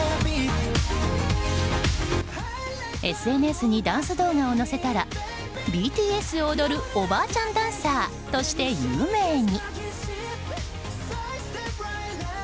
ＳＮＳにダンス動画を載せたらＢＴＳを踊るおばあちゃんダンサーとして有名に。